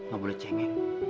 gak boleh cengeng